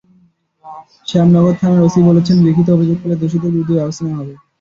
শ্যামনগর থানার ওসি বলেছেন, লিখিত অভিযোগ পেলে দোষীদের বিরুদ্ধে ব্যবস্থা নেওয়া হবে।